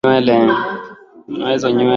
Nyoa hizo nywele